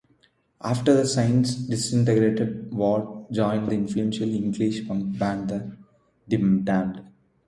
After The Saints disintegrated, Ward joined the influential English punk band The Damned.